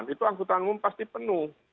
itu angkutanmu pasti penuh